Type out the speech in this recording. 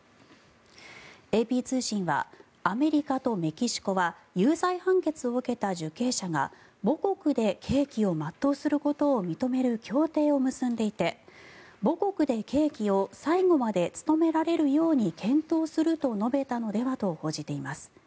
ＡＰ通信はアメリカとメキシコは有罪判決を受けた受刑者が母国で刑期を全うすることを認める協定を結んでいて母国で刑期を最後まで務められるようにと検討すると述べたのではと報じています。